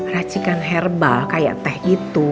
racikan herbal kayak teh gitu